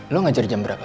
lo ngajar jam berapa